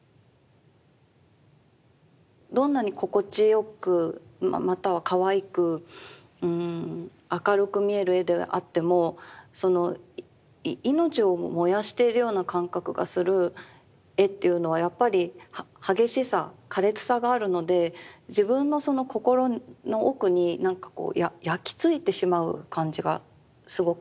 どんなに心地よくまたはかわいく明るく見える絵であっても命を燃やしているような感覚がする絵っていうのはやっぱり激しさ苛烈さがあるので自分のそのがすごくするんです。